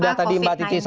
dan mestinya ini bisa